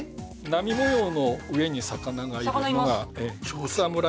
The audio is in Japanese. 波模様の上に魚がいるのが魚います